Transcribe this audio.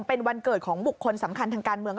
เป็นวันเกิดของบุคคลสำคัญทางการเมือง